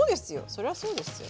それはそうですよ。